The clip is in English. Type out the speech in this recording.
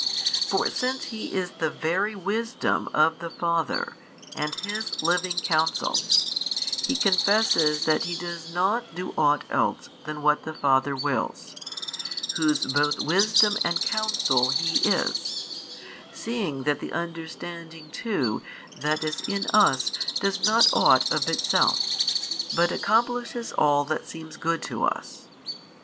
For since He is the Very Wisdom of the Father and His Living Counsel, He confesses that He does not do ought else than what the Father wills, Whose both Wisdom and Counsel He is, seeing that the understanding too that is in us does not ought of itself, but accomplishes all that seems good to us.